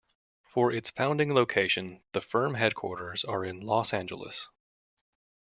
For its founding location, the firm headquarters are in Los Angeles.